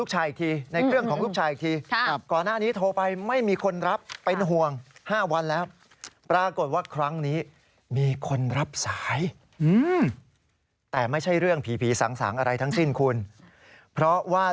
ให้ฟังทั้งหมดเลยนะเล่าทั้งหมดบอกร่างทรงบอกมา